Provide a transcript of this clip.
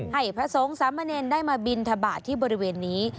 ให้พระสงฆ์สามเณรได้มาบินทบาทที่บริเวณนี้